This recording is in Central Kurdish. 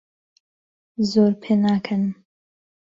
زۆر پێناکەنم.